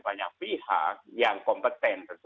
banyak pihak yang kompeten